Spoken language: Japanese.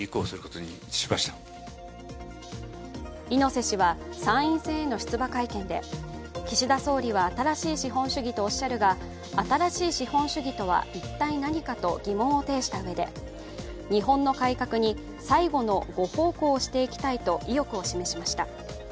猪瀬氏は参院選への出馬会見で、岸田総理は新しい資本主義とおっしゃるが新しい資本主義とは一体何かと疑問を呈したうえで日本の改革に最後のご奉公をしていきたいと意欲を示しました。